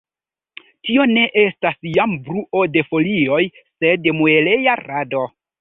Tio ne estas jam bruo de folioj, sed mueleja rado.